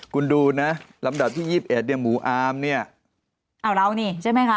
คุณดูนะลำดับที่ยี่สิบเอ็ดเนี่ยหมู่อามเนี่ยอ้าวเรานี่ใช่ไหมคะ